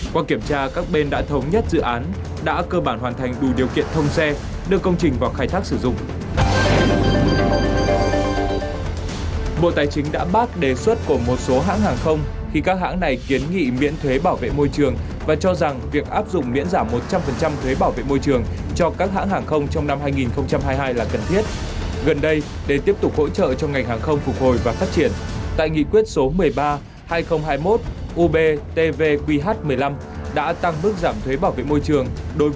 qua kiểm tra các bên đã thống nhất dự án đã cơ bản hoàn thành đủ điều kiện thông xe đưa công trình vào khai thác sử dụng